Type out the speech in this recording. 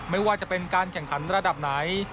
ไม่ว่าจะเป็นการแข่งขันระดับไหน